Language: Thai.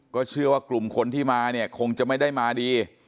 เชื่อว่ากลุ่มคนที่มาเนี่ยคงจะไม่ได้มาดี